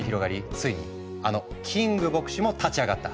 ついにあのキング牧師も立ち上がった。